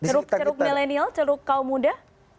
ceruk millennial ceruk kaum muda